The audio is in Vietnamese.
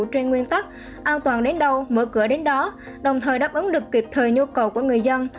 trên nguyên tắc an toàn đến đâu mở cửa đến đó đồng thời đáp ứng được kịp thời nhu cầu của người dân